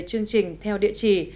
chương trình theo địa chỉ